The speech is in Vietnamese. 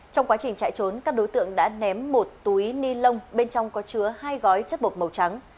trong quá trình chạy trốn các đối tượng đã ném một túi ni lông bên trong có chứa hai gói chất bột màu trắng